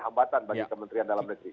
hambatan bagi kementerian dalam negeri